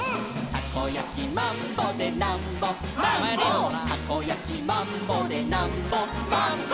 「たこやきマンボでなんぼチューチュー」「たこやきマンボでなんぼマンボ」